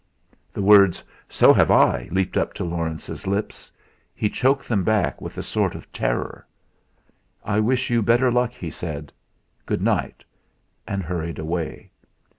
The words: 'So have I!' leaped up to Laurence's lips; he choked them down with a sort of terror. "I wish you better luck," he said. "Goodnight!" and hurried away.